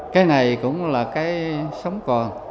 cái này cũng là cái sống còn